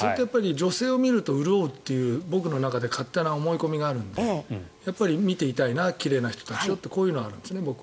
女性を見ると潤うという僕の中で勝手な思い込みがあるんですが見ていたいな、奇麗な人たちをというのがあるんですね、僕は。